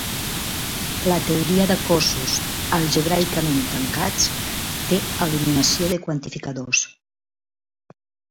La teoria de cossos algebraicament tancats té eliminació de quantificadors.